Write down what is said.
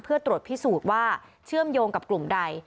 เพื่อตรวจพิสูจน์ว่าเชื่อมโยงกับกลุ่มใด